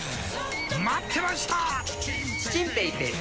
待ってました！